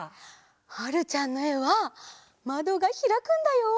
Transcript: はるちゃんのえはまどがひらくんだよ！